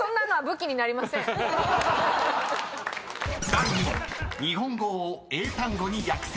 ［第２問日本語を英単語に訳せ］